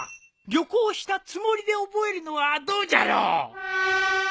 旅行したつもりで覚えるのはどうじゃろう。